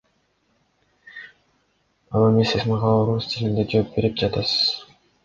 Ал эми сиз мага орус тилинде жоопберип жатасыз.